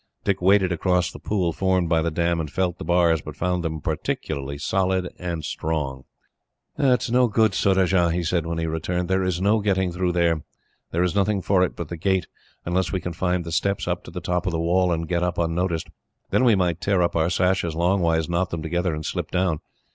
Dick waded across the pool formed by the dam, and felt the bars, but found them perfectly solid and strong. "It is no good, Surajah," he said, when he returned. "There is no getting through there. There is nothing for it but the gate, unless we can find the steps up to the top of the wall, and get up unnoticed. Then we might tear up our sashes longways, knot them together, and slip down.